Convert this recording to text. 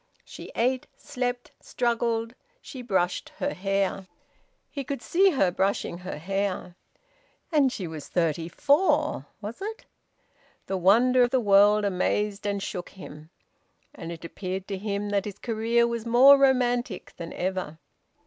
She ate, slept, struggled; she brushed her hair. He could see her brushing her hair. And she was thirty four was it? The wonder of the world amazed and shook him. And it appeared to him that his career was more romantic than ever.